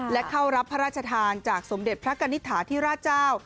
และเข้ารับพระราชทานจากสมเด็จพระกณิตฐาธิราชเจ้า